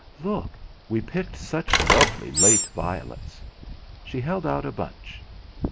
"Look! We picked such lovely late violets!" She held out a bunch.